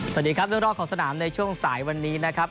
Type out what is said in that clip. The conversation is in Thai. สวัสดีครับเรื่องรอบของสนามในช่วงสายวันนี้นะครับ